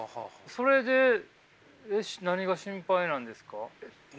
それで何が心配なんですか？